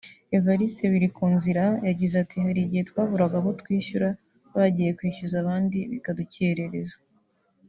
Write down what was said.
Evariste Birikunzira yagize ati “Harigihe twaburaga abo twishyura bagiye kwishyuza abandi bikadukereza